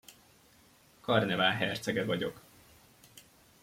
Karnevál hercege vagyok.